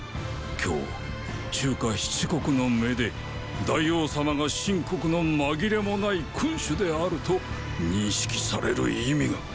今日中華七国の目で大王様が秦国の紛れもない君主であると認識される意味がーー！！